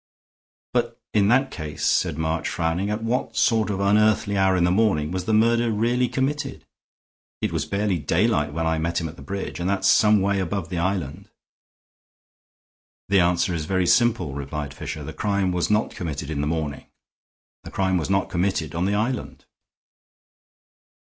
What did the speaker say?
"But in that case," said March, frowning, "at what sort of unearthly hour in the morning was the murder really committed? It was barely daylight when I met him at the bridge, and that's some way above the island." "The answer is very simple," replied Fisher. "The crime was not committed in the morning. The crime was not committed on the island."